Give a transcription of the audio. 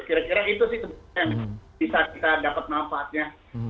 kira kira itu sih sebenarnya yang bisa kita dapat manfaatnya